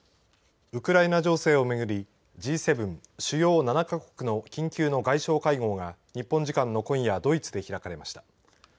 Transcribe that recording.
ウクライナ情勢を巡りＧ７＝主要７か国の緊急の外相会合が日本時間の今夜ドイツで開かれました。